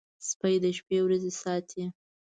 سپي د شپې ورځي ساتي.